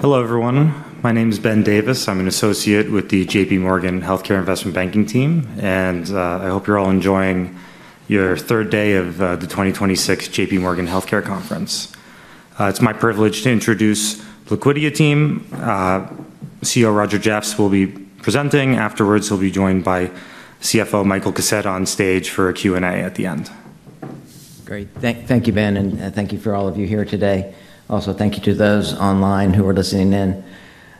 Hello, everyone. My name is Ben Davis. I'm an associate with the J.P. Morgan Healthcare Investment Banking team, and I hope you're all enjoying your third day of the 2026 J.P. Morgan Healthcare Conference. It's my privilege to introduce the Liquidia team. CEO Roger Jeffs will be presenting. Afterwards, he'll be joined by CFO Michael Kaseta on stage for a Q&A at the end. Great. Thank you, Ben, and thank you for all of you here today. Also, thank you to those online who are listening in.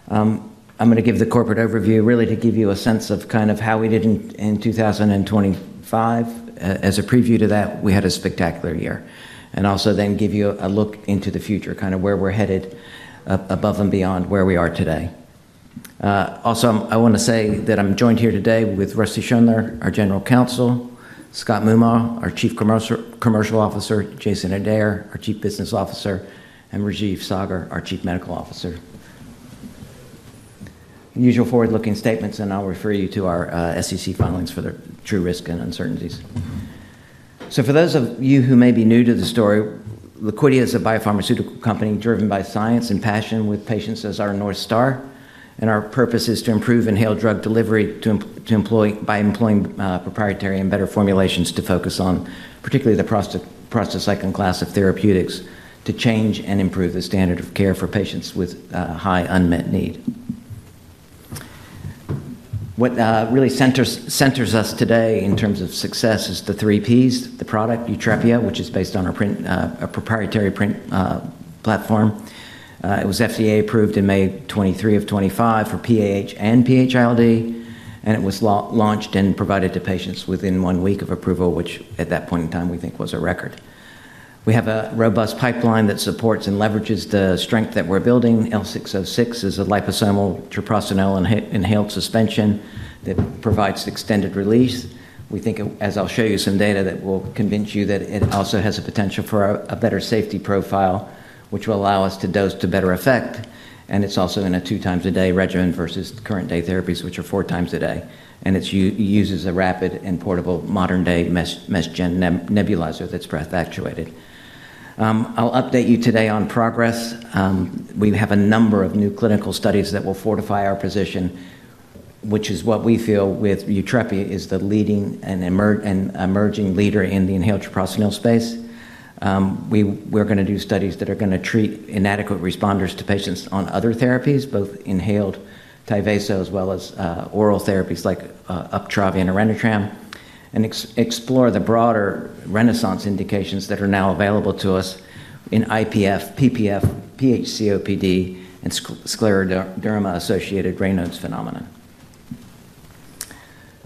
I'm going to give the corporate overview, really, to give you a sense of kind of how we did in 2025. As a preview to that, we had a spectacular year, and also then give you a look into the future, kind of where we're headed above and beyond where we are today. Also, I want to say that I'm joined here today with Rusty Schundler, our General Counsel, Scott Moomaw, our Chief Commercial Officer, Jason Adair, our Chief Business Officer, and Rajeev Saggar, our Chief Medical Officer. All forward-looking statements, and I'll refer you to our SEC filings for the risks and uncertainties. So for those of you who may be new to the story, Liquidia is a biopharmaceutical company driven by science and passion with patients as our North Star. And our purpose is to improve inhaled drug delivery by employing proprietary and better formulations to focus on particularly the prostacyclin class of therapeutics to change and improve the standard of care for patients with high unmet need. What really centers us today in terms of success is the three P's: the product, Yutrepia, which is based on our proprietary PRINT platform. It was FDA approved in May 23 of 2025 for PAH and PH-ILD, and it was launched and provided to patients within one week of approval, which at that point in time we think was a record. We have a robust pipeline that supports and leverages the strength that we're building. L606 is a liposomal treprostinil inhaled suspension that provides extended release. We think, as I'll show you some data that will convince you that it also has a potential for a better safety profile, which will allow us to dose to better effect, and it's also in a two-times-a-day regimen versus current-day therapies, which are four times a day. It uses a rapid and portable modern-day mesh nebulizer that's breath-actuated. I'll update you today on progress. We have a number of new clinical studies that will fortify our position, which is what we feel with Yutrepia is the leading and emerging leader in the inhaled treprostinil space. We're going to do studies that are going to treat inadequate responders to patients on other therapies, both inhaled Tyvaso as well as oral therapies like Uptravi and Orenitram, and explore the broader renaissance indications that are now available to us in IPF, PPF, PH-COPD, and scleroderma-associated Raynaud's phenomenon,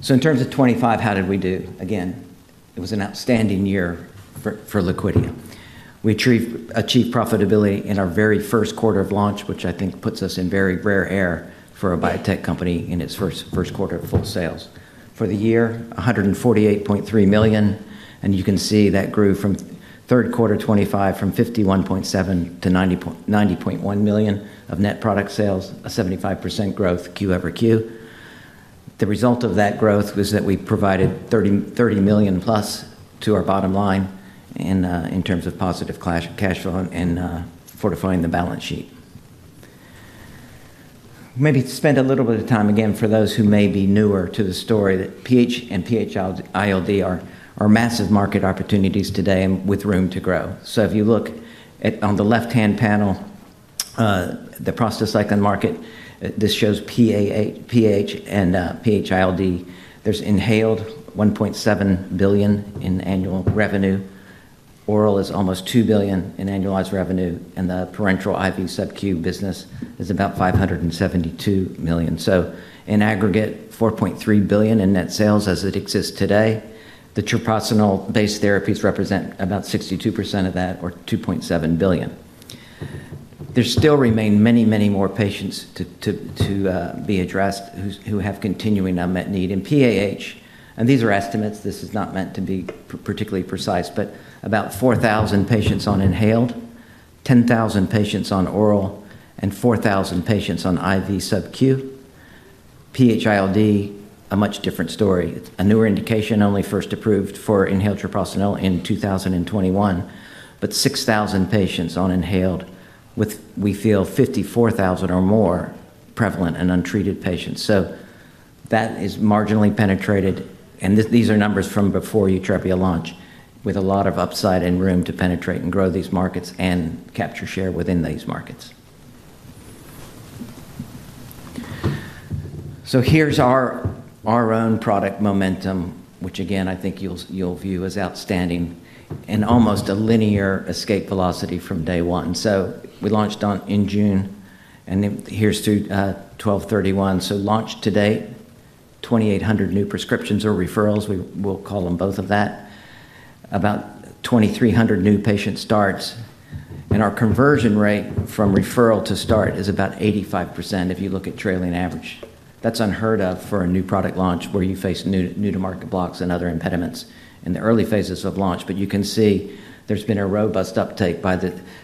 so in terms of 2025, how did we do? Again, it was an outstanding year for Liquidia. We achieved profitability in our very first quarter of launch, which I think puts us in very rare air for a biotech company in its first quarter of full sales. For the year, $148.3 million, and you can see that grew from third quarter 2025 from $51.7 million–$90.1 million of net product sales, a 75% growth Q over Q. The result of that growth was that we provided $30 million plus to our bottom line in terms of positive cash flow and fortifying the balance sheet. Maybe spend a little bit of time again for those who may be newer to the story that PH and PH-ILD are massive market opportunities today with room to grow. So if you look on the left-hand panel, the prostacyclin market, this shows PH and PH-ILD. There's inhaled $1.7 billion in annual revenue. Oral is almost $2 billion in annualized revenue, and the parenteral IV subQ business is about $572 million. So in aggregate, $4.3 billion in net sales as it exists today. The Treprostinil-based therapies represent about 62% of that, or $2.7 billion. There still remain many, many more patients to be addressed who have continuing unmet need. And PAH, and these are estimates. This is not meant to be particularly precise, but about 4,000 patients on inhaled, 10,000 patients on oral, and 4,000 patients on IV subQ. PH-ILD, a much different story. A newer indication, only first approved for inhaled treprostinil in 2021, but 6,000 patients on inhaled with, we feel, 54,000 or more prevalent and untreated patients. So that is marginally penetrated. And these are numbers from before Yutrepia launch with a lot of upside and room to penetrate and grow these markets and capture share within these markets. So here's our own product momentum, which again, I think you'll view as outstanding and almost a linear escape velocity from day one. So we launched in June, and here's through 12/31. So launched today, 2,800 new prescriptions or referrals. We'll call them both of that. About 2,300 new patient starts. Our conversion rate from referral to start is about 85% if you look at trailing average. That's unheard of for a new product launch where you face new-to-market blocks and other impediments in the early phases of launch. But you can see there's been a robust uptake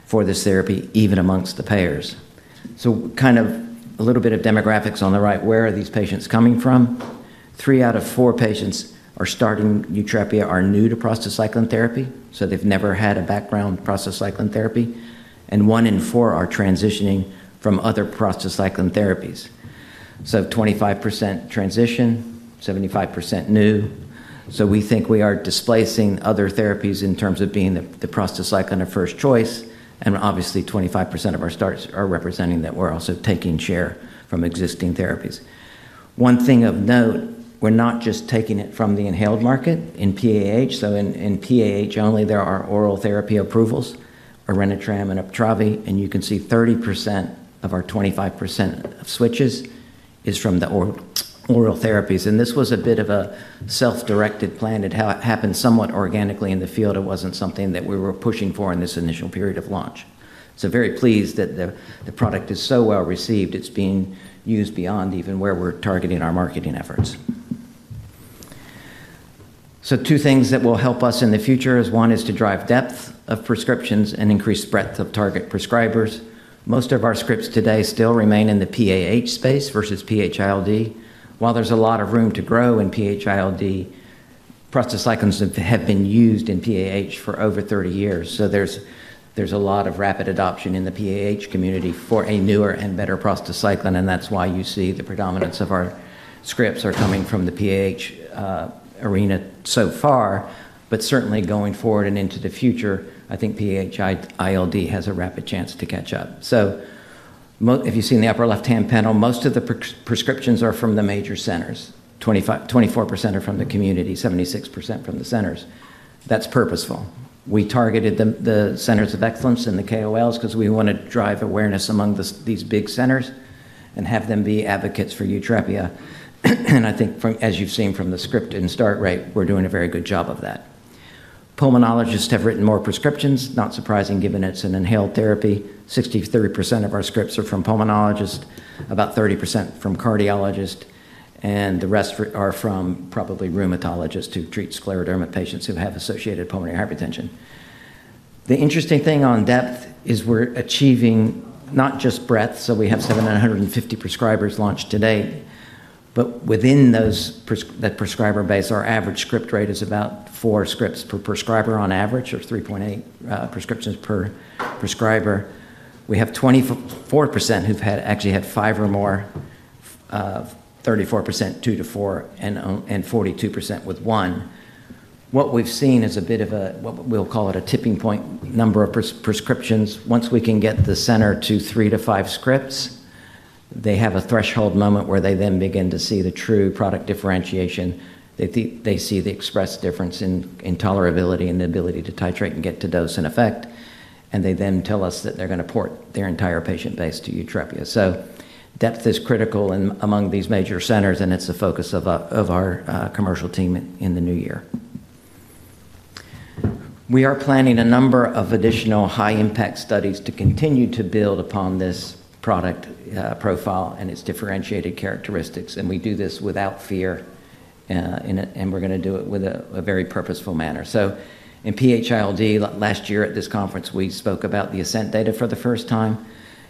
for this therapy even amongst the payers. So kind of a little bit of demographics on the right. Where are these patients coming from? Three out of four patients are starting Yutrepia are new to prostacyclin therapy, so they've never had a background prostacyclin therapy. And one in four are transitioning from other prostacyclin therapies. So 25% transition, 75% new. So we think we are displacing other therapies in terms of being the prostacyclin of first choice. And obviously, 25% of our starts are representing that we're also taking share from existing therapies. One thing of note, we're not just taking it from the inhaled market in PAH. So in PAH only, there are oral therapy approvals, Orenitram and Uptravi. And you can see 30% of our 25% of switches is from the oral therapies. And this was a bit of a self-directed plan. It happened somewhat organically in the field. It wasn't something that we were pushing for in this initial period of launch. So very pleased that the product is so well received. It's being used beyond even where we're targeting our marketing efforts. So two things that will help us in the future is one is to drive depth of prescriptions and increase breadth of target prescribers. Most of our scripts today still remain in the PAH space versus PH-ILD. While there's a lot of room to grow in PH-ILD, prostacyclins have been used in PAH for over 30 years. So there's a lot of rapid adoption in the PAH community for a newer and better prostacyclin. And that's why you see the predominance of our scripts are coming from the PAH arena so far. But certainly going forward and into the future, I think PH-ILD has a rapid chance to catch up. So if you see in the upper left-hand panel, most of the prescriptions are from the major centers. 24% are from the community, 76% from the centers. That's purposeful. We targeted the centers of excellence and the KOLs because we want to drive awareness among these big centers and have them be advocates for Yutrepia. And I think, as you've seen from the script and start rate, we're doing a very good job of that. Pulmonologists have written more prescriptions, not surprising given it's an inhaled therapy. 63% of our scripts are from pulmonologists, about 30% from cardiologists, and the rest are from probably rheumatologists who treat scleroderma patients who have associated pulmonary hypertension. The interesting thing on depth is we're achieving not just breadth. So we have 750 prescribers launched today. But within that prescriber base, our average script rate is about four scripts per prescriber on average, or 3.8 prescriptions per prescriber. We have 24% who've actually had five or more, 34% two to four, and 42% with one. What we've seen is a bit of a, we'll call it a tipping point number of prescriptions. Once we can get the center to three to five scripts, they have a threshold moment where they then begin to see the true product differentiation. They see the expressed difference in tolerability and the ability to titrate and get to dose and effect. And they then tell us that they're going to port their entire patient base to Yutrepia. So depth is critical among these major centers, and it's the focus of our commercial team in the new year. We are planning a number of additional high-impact studies to continue to build upon this product profile and its differentiated characteristics. And we do this without fear, and we're going to do it with a very purposeful manner. So in PH-ILD last year at this conference, we spoke about the ASCENT data for the first time.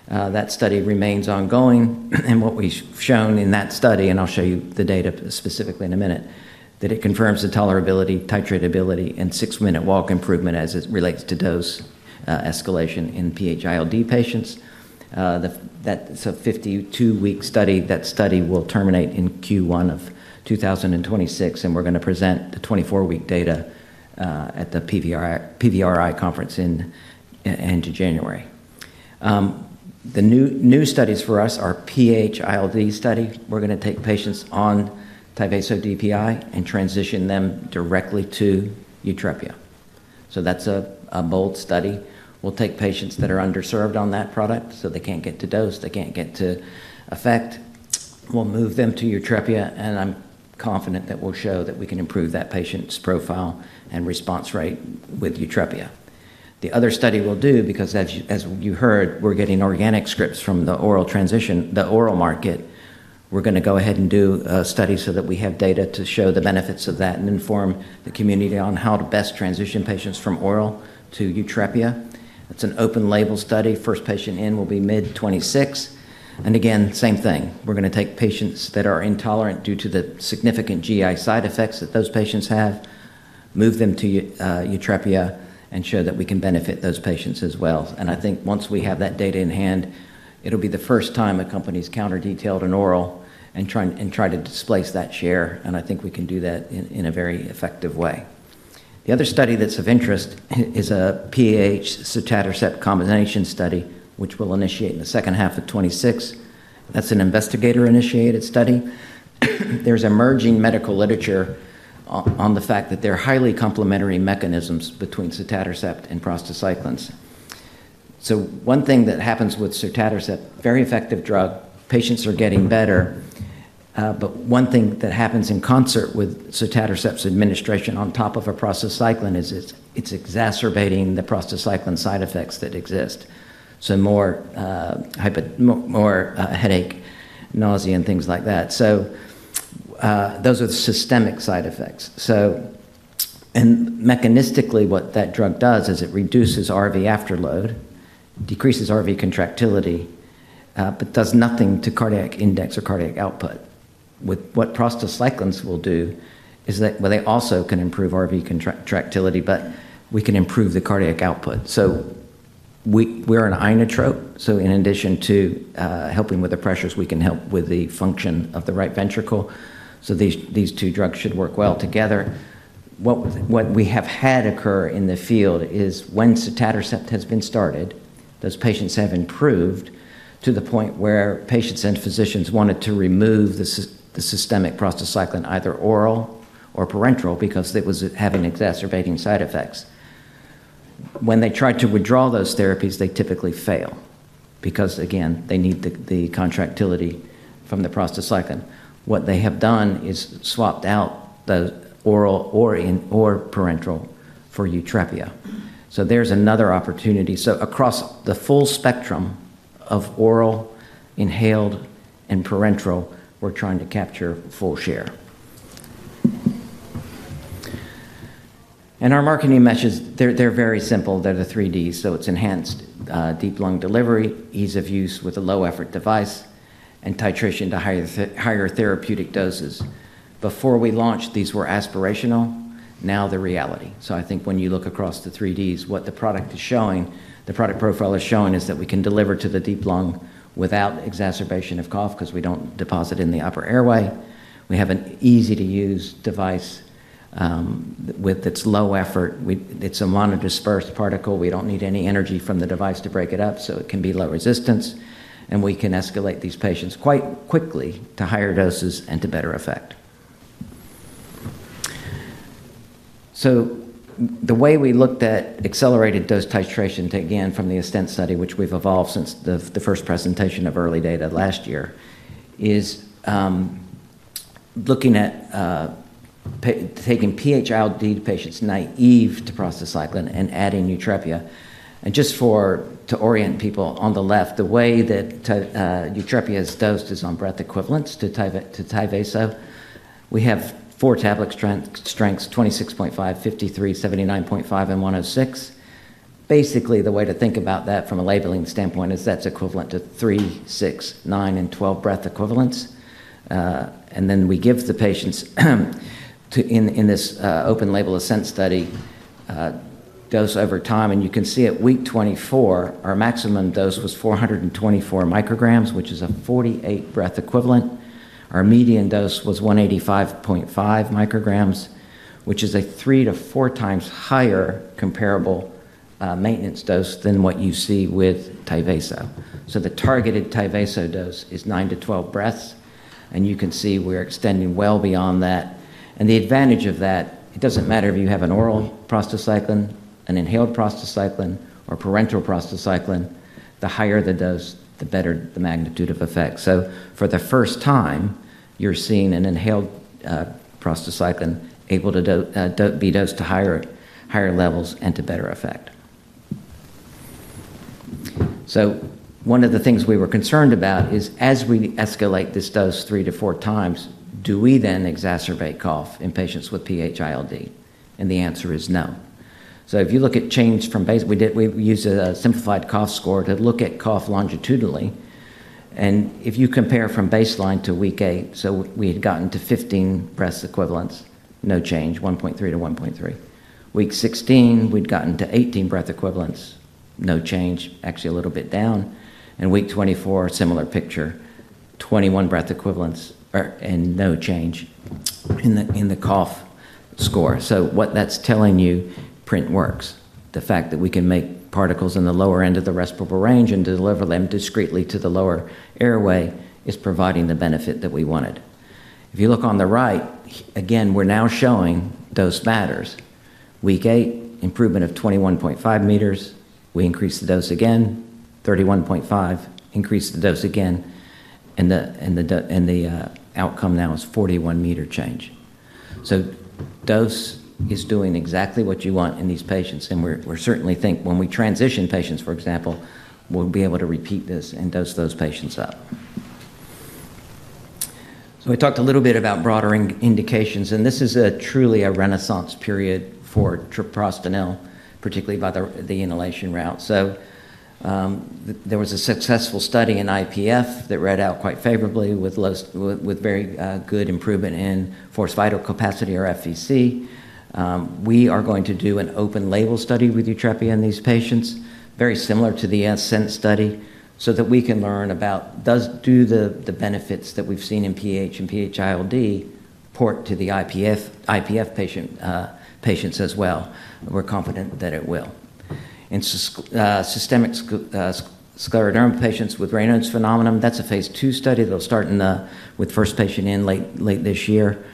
That study remains ongoing. And what we've shown in that study, and I'll show you the data specifically in a minute, that it confirms the tolerability, titrability, and six-minute walk improvement as it relates to dose escalation in PH-ILD patients. So 52-week study. That study will terminate in Q1 of 2026, and we're going to present the 24-week data at the PVRI conference in end of January. The new studies for us are PH-ILD study. We're going to take patients on Tyvaso DPI and transition them directly to Yutrepia. So that's a bold study. We'll take patients that are underserved on that product, so they can't get to dose, they can't get to effect. We'll move them to Yutrepia, and I'm confident that we'll show that we can improve that patient's profile and response rate with Yutrepia. The other study we'll do, because as you heard, we're getting organic scripts from the oral market, we're going to go ahead and do a study so that we have data to show the benefits of that and inform the community on how to best transition patients from oral to Yutrepia. It's an open-label study. First patient in will be mid-2026. And again, same thing. We're going to take patients that are intolerant due to the significant GI side effects that those patients have, move them to Yutrepia, and show that we can benefit those patients as well. And I think once we have that data in hand, it'll be the first time a company's counter-detailed an oral and try to displace that share. And I think we can do that in a very effective way. The other study that's of interest is a PAH-sotatercept combination study, which we'll initiate in the second half of 2026. That's an investigator-initiated study. There's emerging medical literature on the fact that there are highly complementary mechanisms between sotatercept and prostacyclins. So one thing that happens with sotatercept, very effective drug, patients are getting better. But one thing that happens in concert with sotatercept's administration on top of a prostacyclin is it's exacerbating the prostacyclin side effects that exist. So more headache, nausea, and things like that. So those are the systemic side effects. And mechanistically, what that drug does is it reduces RV afterload, decreases RV contractility, but does nothing to cardiac index or cardiac output. What prostacyclins will do is that they also can improve RV contractility, but we can improve the cardiac output. So we're an inotrope. So in addition to helping with the pressures, we can help with the function of the right ventricle. So these two drugs should work well together. What we have had occur in the field is when sotatercept has been started, those patients have improved to the point where patients and physicians wanted to remove the systemic prostacyclin, either oral or parenteral, because it was having exacerbating side effects. When they tried to withdraw those therapies, they typically fail because, again, they need the contractility from the prostacyclin. What they have done is swapped out the oral or parenteral for Yutrepia. So there's another opportunity. So across the full spectrum of oral, inhaled, and parenteral, we're trying to capture full share. And our marketing meshes, they're very simple. They're the 3Ds. So it's enhanced deep lung delivery, ease of use with a low-effort device, and titration to higher therapeutic doses. Before we launched, these were aspirational. Now they're reality. I think when you look across the 3Ds, what the product is showing, the product profile is showing is that we can deliver to the deep lung without exacerbation of cough because we don't deposit in the upper airway. We have an easy-to-use device with its low effort. It's a monodispersed particle. We don't need any energy from the device to break it up, so it can be low resistance. We can escalate these patients quite quickly to higher doses and to better effect. The way we looked at accelerated dose titration, again, from the ASCENT study, which we've evolved since the first presentation of early data last year, is looking at taking PH-ILD patients naive to prostacyclin and adding Yutrepia. Just to orient people, on the left, the way that Yutrepia is dosed is on breath equivalents to Tyvaso. We have four tablet strengths, 26.5, 53, 79.5, and 106. Basically, the way to think about that from a labeling standpoint is that's equivalent to three, six, nine, and 12 breath equivalents. And then we give the patients in this open-label ASCENT study dose over time. And you can see at week 24, our maximum dose was 424 micrograms, which is a 48-breath equivalent. Our median dose was 185.5 micrograms, which is a three to four times higher comparable maintenance dose than what you see with Tyvaso. So the targeted Tyvaso dose is nine to 12 breaths. And you can see we're extending well beyond that. And the advantage of that, it doesn't matter if you have an oral prostacyclin, an inhaled prostacyclin, or parenteral prostacyclin, the higher the dose, the better the magnitude of effect. So for the first time, you're seeing an inhaled prostacyclin able to be dosed to higher levels and to better effect. So one of the things we were concerned about is, as we escalate this dose three to four times, do we then exacerbate cough in patients with PH-ILD? And the answer is no. So if you look at change from we used a simplified cough score to look at cough longitudinally. And if you compare from baseline to week 8, so we had gotten to 15 breath equivalents, no change, 1.3–1.3. Week 16, we'd gotten to 18 breath equivalents, no change, actually a little bit down. And week 24, similar picture, 21 breath equivalents and no change in the cough score. So what that's telling you, PRINT works. The fact that we can make particles in the lower end of the respirable range and deliver them discretely to the lower airway is providing the benefit that we wanted. If you look on the right, again, we're now showing dose matters. Week 8, improvement of 21.5 meters. We increased the dose again, 31.5, increased the dose again. And the outcome now is 41-meter change. So dose is doing exactly what you want in these patients. And we certainly think when we transition patients, for example, we'll be able to repeat this and dose those patients up. So we talked a little bit about broader indications. And this is truly a renaissance period for prostacyclin, particularly by the inhalation route. So there was a successful study in IPF that read out quite favorably with very good improvement in forced vital capacity, or FVC. We are going to do an open-label study with Yutrepia in these patients, very similar to the ASCENT study, so that we can learn about do the benefits that we've seen in PH and PH-ILD port to the IPF patients as well. We're confident that it will. And systemic scleroderma patients with Raynaud's phenomenon, that's a Phase II study that'll start with first patient in late this year,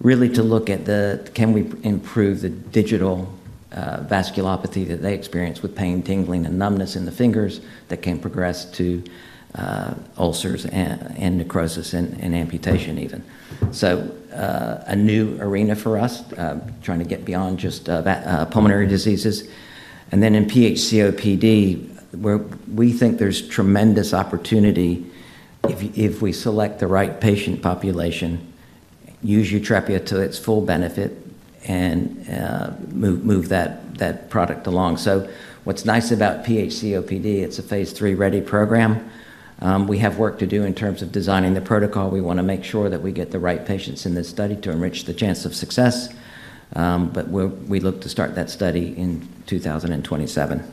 really to look at can we improve the digital vasculopathy that they experience with pain, tingling, and numbness in the fingers that can progress to ulcers and necrosis and amputation even. So a new arena for us, trying to get beyond just pulmonary diseases. And then in PHCOPD, we think there's tremendous opportunity if we select the right patient population, use Yutrepia to its full benefit, and move that product along. So what's nice about PHCOPD, it's a Phase III-ready program. We have work to do in terms of designing the protocol. We want to make sure that we get the right patients in this study to enrich the chance of success. But we look to start that study in 2027.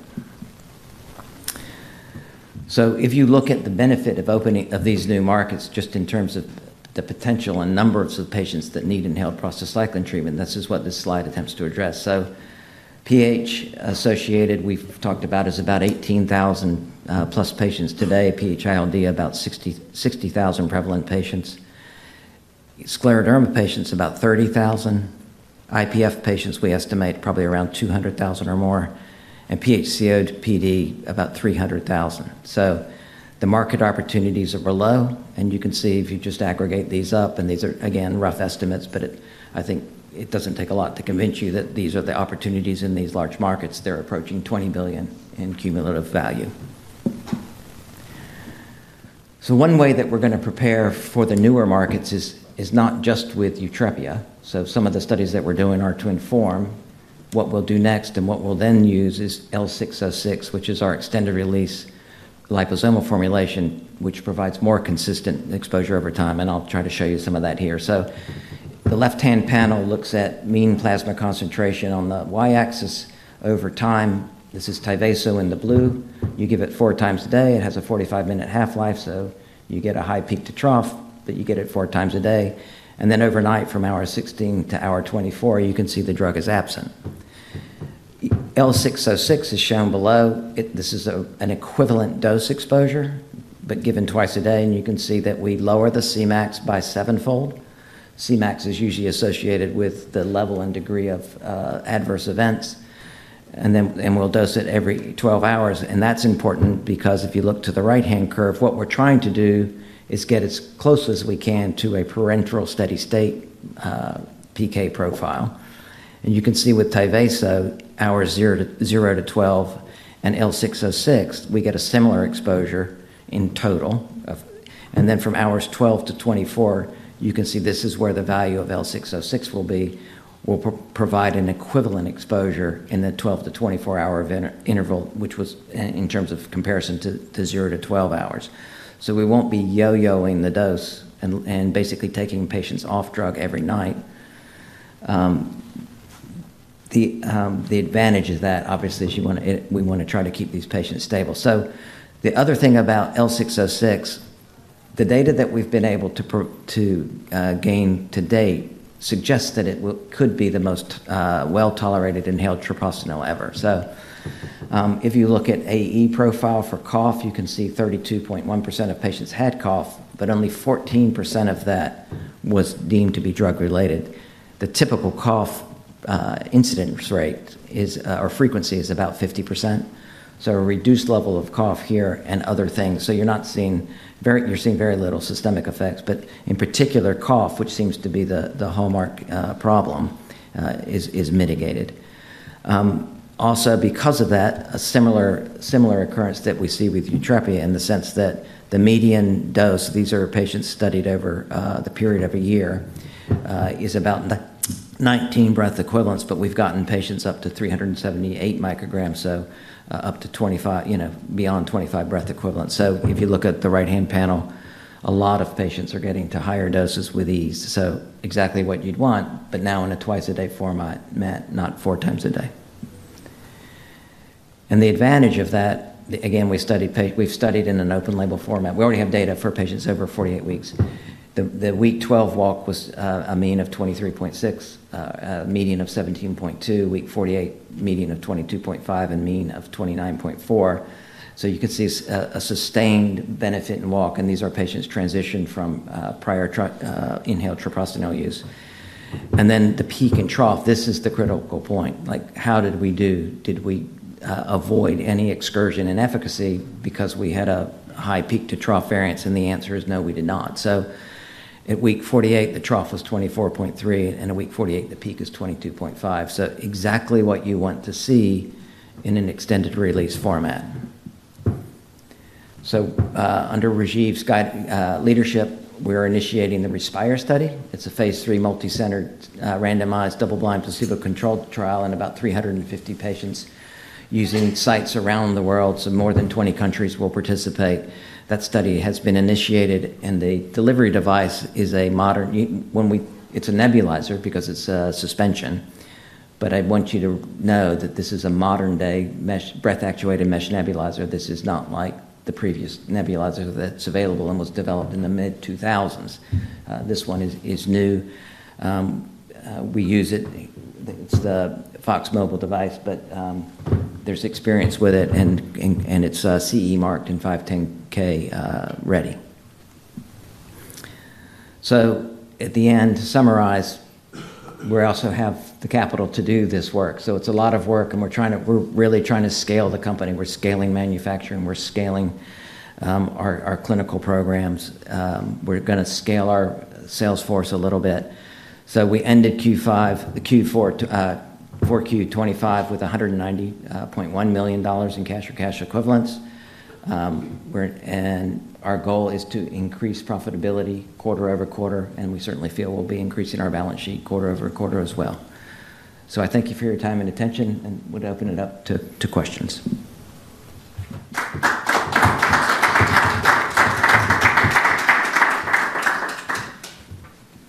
So if you look at the benefit of these new markets, just in terms of the potential and numbers of patients that need inhaled prostacyclin treatment, this is what this slide attempts to address. So PAH-associated, we've talked about, is about 18,000 plus patients today. PH-ILD, about 60,000 prevalent patients. Scleroderma patients, about 30,000. IPF patients, we estimate probably around 200,000 or more. And PH-COPD, about 300,000. So the market opportunities are low. And you can see if you just aggregate these up, and these are, again, rough estimates, but I think it doesn't take a lot to convince you that these are the opportunities in these large markets. They're approaching 20 billion in cumulative value. So one way that we're going to prepare for the newer markets is not just with Yutrepia. So some of the studies that we're doing are to inform what we'll do next. And what we'll then use is L606, which is our extended-release liposomal formulation, which provides more consistent exposure over time. And I'll try to show you some of that here. So the left-hand panel looks at mean plasma concentration on the y-axis over time. This is Tyvaso in the blue. You give it four times a day. It has a 45-minute half-life, so you get a high peak to trough, but you get it four times a day. And then overnight, from hour 16–hour 24, you can see the drug is absent. L606 is shown below. This is an equivalent dose exposure, but given twice a day. You can see that we lower the Cmax by sevenfold. Cmax is usually associated with the level and degree of adverse events. We'll dose it every 12 hours. That's important because if you look to the right-hand curve, what we're trying to do is get as close as we can to a parenteral steady-state PK profile. You can see with Tyvaso, hours 0–12 and L606, we get a similar exposure in total. From hours 12–24, you can see this is where the value of L606 will be. We'll provide an equivalent exposure in the 12–24-hour interval, which was in terms of comparison to 0–12 hours. We won't be yo-yoing the dose and basically taking patients off drug every night. The advantage of that, obviously, is we want to try to keep these patients stable. The other thing about L606, the data that we've been able to gain to date suggests that it could be the most well-tolerated inhaled treprostinil ever. If you look at AE profile for cough, you can see 32.1% of patients had cough, but only 14% of that was deemed to be drug-related. The typical cough incidence rate or frequency is about 50%. A reduced level of cough here and other things. You're seeing very little systemic effects. But in particular, cough, which seems to be the hallmark problem, is mitigated. Also, because of that, a similar occurrence that we see with Yutrepia in the sense that the median dose, these are patients studied over the period of a year, is about 19 breath equivalents, but we've gotten patients up to 378 micrograms, so up to beyond 25 breath equivalents. So if you look at the right-hand panel, a lot of patients are getting to higher doses with ease. So exactly what you'd want, but now in a twice-a-day format, not four times a day. And the advantage of that, again, we've studied in an open-label format. We already have data for patients over 48 weeks. The week 12 walk was a mean of 23.6, median of 17.2, week 48, median of 22.5, and mean of 29.4. So you can see a sustained benefit in walk. And these are patients transitioned from prior inhaled treprostinil use. And then the peak and trough, this is the critical point. How did we do? Did we avoid any excursion in efficacy because we had a high peak to trough variance? And the answer is no, we did not. So at week 48, the trough was 24.3. At week 48, the peak is 22.5. So exactly what you want to see in an extended-release format. So under Rajeev's leadership, we're initiating the RESPIRE study. It's a Phase III multi-centered randomized double-blind placebo-controlled trial in about 350 patients using sites around the world. So more than 20 countries will participate. That study has been initiated. The delivery device is a modern. It's a nebulizer because it's a suspension. But I want you to know that this is a modern-day breath-actuated mesh nebulizer. This is not like the previous nebulizer that's available and was developed in the mid-2000s. This one is new. We use it. It's the Fox mobile device, but there's experience with it. It's CE marked and 510(k) ready. So at the end, to summarize, we also have the capital to do this work. So it's a lot of work. And we're really trying to scale the company. We're scaling manufacturing. We're scaling our clinical programs. We're going to scale our sales force a little bit. So we ended Q4 2025 with $190.1 million in cash and cash equivalents. And our goal is to increase profitability quarter over quarter. And we certainly feel we'll be increasing our balance sheet quarter over quarter as well. So I thank you for your time and attention and would open it up to questions.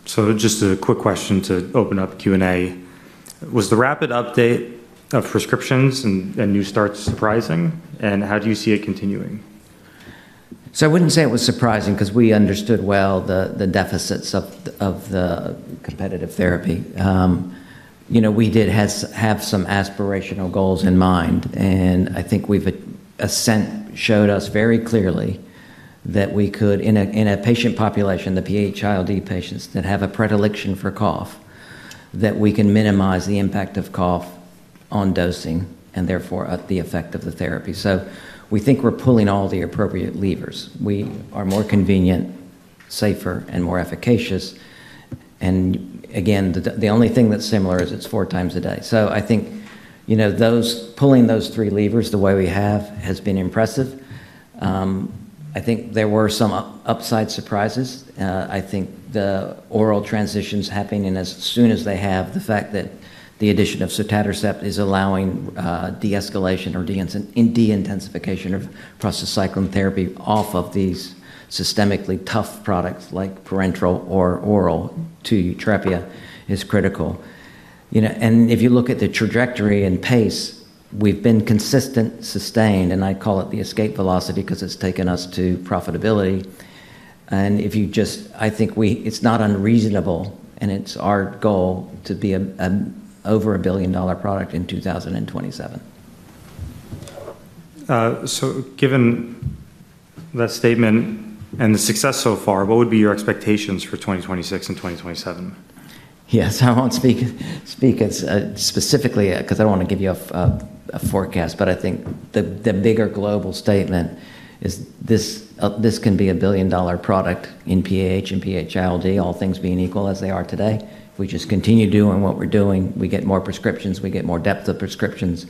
So just a quick question to open up Q&A. Was the rapid update of prescriptions and new starts surprising? And how do you see it continuing? So I wouldn't say it was surprising because we understood well the deficits of the competitive therapy. We did have some aspirational goals in mind. And I think we've ASCENT showed us very clearly that we could, in a patient population, the PH-ILD patients that have a predilection for cough, that we can minimize the impact of cough on dosing and therefore the effect of the therapy. So we think we're pulling all the appropriate levers. We are more convenient, safer, and more efficacious. And again, the only thing that's similar is it's four times a day. So I think pulling those three levers the way we have has been impressive. I think there were some upside surprises. I think the oral transitions happening as soon as they have, the fact that the addition of Sotatercept is allowing de-escalation or de-intensification of prostacyclin therapy off of these systemically tough products like parenteral or oral to Yutrepia is critical. And if you look at the trajectory and pace, we've been consistent, sustained, and I call it the escape velocity because it's taken us to profitability. And if you just, I think it's not unreasonable. And it's our goal to be over a billion-dollar product in 2027. So given that statement and the success so far, what would be your expectations for 2026 and 2027? Yes. I won't speak specifically because I don't want to give you a forecast, but I think the bigger global statement is this can be a billion-dollar product in PH and PH-ILD, all things being equal as they are today. If we just continue doing what we're doing, we get more prescriptions, we get more depth of prescriptions,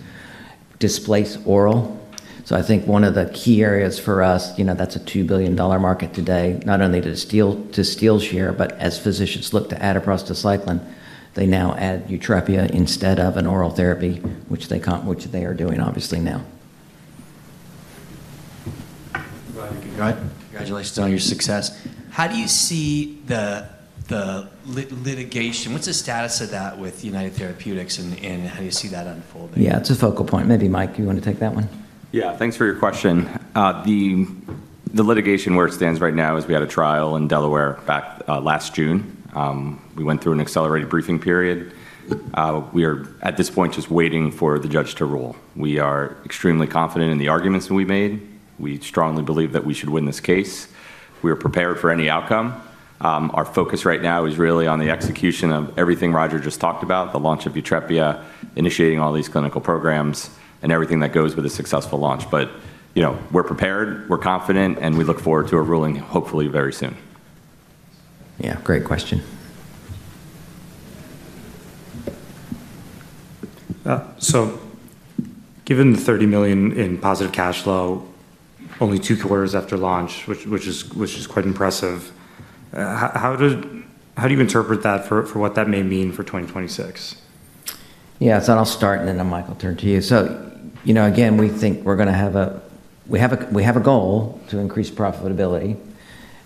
displace oral, so I think one of the key areas for us, that's a $2 billion market today, not only to steal share, but as physicians look to add a prostacyclin, they now add Yutrepia instead of an oral therapy, which they are doing, obviously, now. Congratulations on your success. How do you see the litigation? What's the status of that with United Therapeutics? And how do you see that unfolding? Yeah, it's a focal point. Maybe Mike, you want to take that one? Yeah. Thanks for your question. The litigation where it stands right now is we had a trial in Delaware last June. We went through an accelerated briefing period. We are, at this point, just waiting for the judge to rule. We are extremely confident in the arguments that we made. We strongly believe that we should win this case. We are prepared for any outcome. Our focus right now is really on the execution of everything Roger just talked about, the launch of Yutrepia, initiating all these clinical programs, and everything that goes with a successful launch. But we're prepared, we're confident, and we look forward to a ruling, hopefully, very soon. Yeah. Great question. So given the $30 million in positive cash flow, only two quarters after launch, which is quite impressive, how do you interpret that for what that may mean for 2026? Yeah. So I'll start, and then Mike, I'll turn to you, so again, we think we're going to have a goal to increase profitability,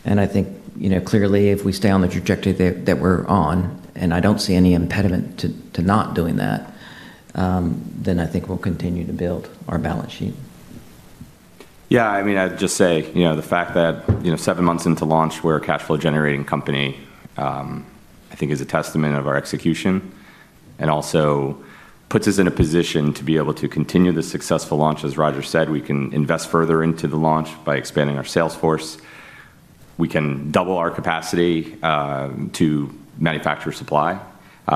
and I think clearly, if we stay on the trajectory that we're on, and I don't see any impediment to not doing that, then I think we'll continue to build our balance sheet. Yeah. I mean, I'd just say the fact that seven months into launch, we're a cash flow-generating company. I think is a testament of our execution and also puts us in a position to be able to continue the successful launch. As Roger said, we can invest further into the launch by expanding our sales force. We can double our capacity to manufacture supply,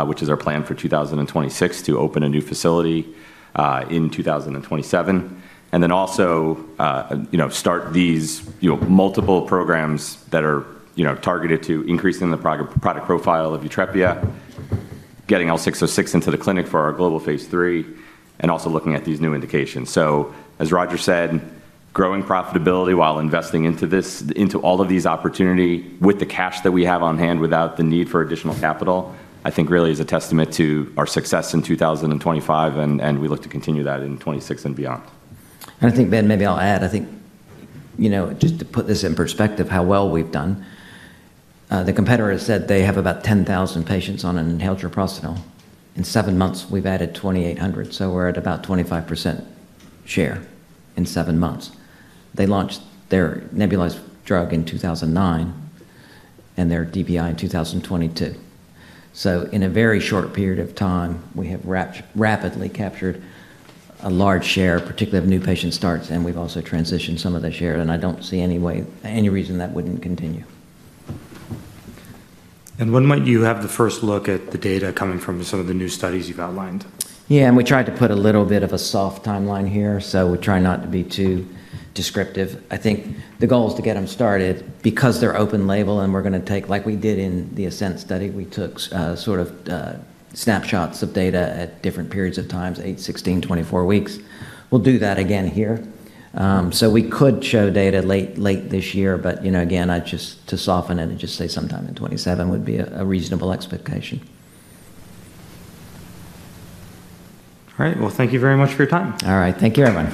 which is our plan for 2026, to open a new facility in 2027. And then also start these multiple programs that are targeted to increasing the product profile of Yutrepia, getting L606 into the clinic for our global Phase III, and also looking at these new indications. So as Roger said, growing profitability while investing into all of these opportunities with the cash that we have on hand without the need for additional capital, I think really is a testament to our success in 2025. We look to continue that in 2026 and beyond. And I think, Ben, maybe I'll add. I think just to put this in perspective, how well we've done. The competitor has said they have about 10,000 patients on an inhaled treprostinil. In seven months, we've added 2,800. So we're at about 25% share in seven months. They launched their nebulized drug in 2009 and their DPI in 2022. So in a very short period of time, we have rapidly captured a large share, particularly of new patient starts. And we've also transitioned some of the share. And I don't see any reason that wouldn't continue. When might you have the first look at the data coming from some of the new studies you've outlined? Yeah. And we tried to put a little bit of a soft timeline here. So we try not to be too descriptive. I think the goal is to get them started because they're open label. And we're going to take, like we did in the ASCENT study, we took sort of snapshots of data at different periods of times, eight, 16, 24 weeks. We'll do that again here. So we could show data late this year. But again, just to soften it and just say sometime in 2027 would be a reasonable expectation. All right. Well, thank you very much for your time. All right. Thank you, everyone.